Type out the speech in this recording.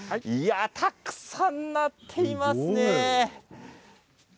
たくさんなっていますね。